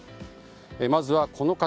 まずは、この方。